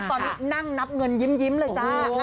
ตอนนี้นั่งนับเงินยิ้มเลยจ้า